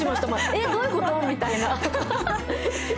えっ！？どういうこと？みたいな。